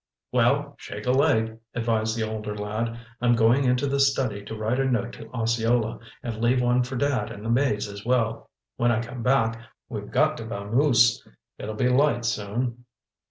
"Well, shake a leg," advised the older lad. "I'm going into the study to write a note to Osceola, and leave one for Dad and the maids as well. When I come back, we've got to vamoose. It'll be light soon."